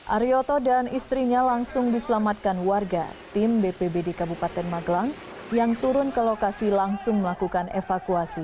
ariyoto dan istrinya langsung diselamatkan warga tim bpbd kabupaten magelang yang turun ke lokasi langsung melakukan evakuasi